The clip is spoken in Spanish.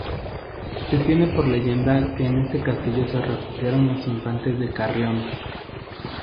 Se tiene por leyenda que en este castillo se refugiaron los infantes de Carrión.